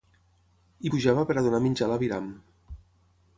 Hi pujava pera donar menjar a la viram